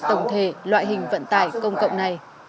tổng thể loại hình vận tải công cộng này